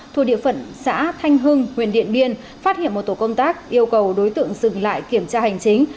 thuộc địa phận xã thanh hưng huyện điện biên phát hiện một tổ công tác yêu cầu đối tượng dừng lại kiểm tra hành chính